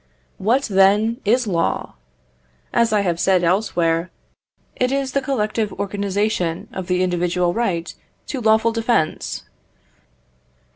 What, then, is law? As I have said elsewhere, it is the collective organization of the individual right to lawful defence.